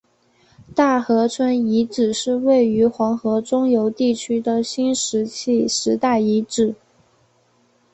大河村遗址是位于黄河中游地区的新石器时代遗址。